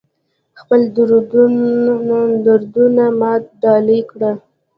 خپل دردونه ماته ډالۍ کړه